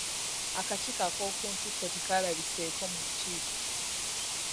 Akakiiko akokuntikko tekaalabiseeko mu lukiiko.